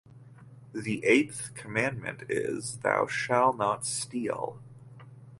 The eighth commandment is, Thou shalt not steal.